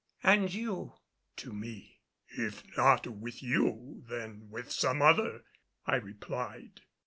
"And you?" to me. "If not with you, then with some other," I replied.